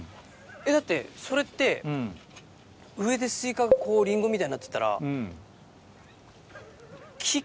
えっだってそれって上でスイカがこうリンゴみたいになってったら。